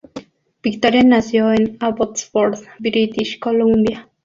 Victoria nació en Abbotsford, British Columbia.